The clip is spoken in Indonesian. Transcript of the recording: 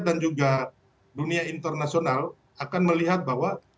dan juga dunia internasional akan melihat bahwa